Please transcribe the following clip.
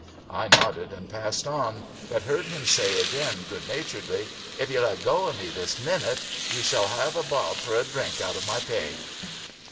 I nodded and passed on, but heard him say again, good naturedly: 'If you leggo of me this minyt ye shall 'ave a bob for a drink out of my pay.'"